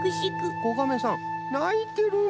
こガメさんないてるね。